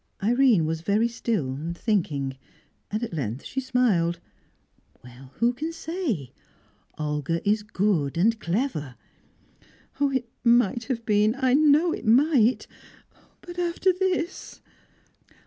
Irene was very still, thinking; and at length she smiled. "Who can say? Olga is good and clever " "It might have been; I know it might. But after this?"